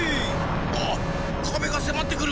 あっかべがせまってくる！